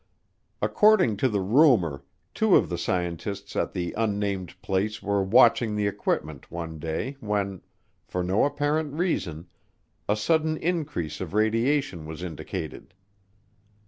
According to the rumor, two of the scientists at the unnamed place were watching the equipment one day when, for no apparent reason, a sudden increase of radiation was indicated.